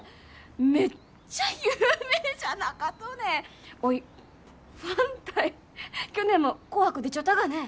めっちゃ有名じゃなかとねおいファンたい去年も「紅白」出ちょったがね